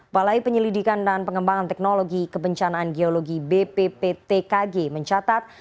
balai penyelidikan dan pengembangan teknologi kebencanaan geologi bpptkg mencatat